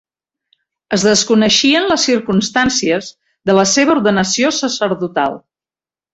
Es desconeixen les circumstàncies de la seva ordenació sacerdotal.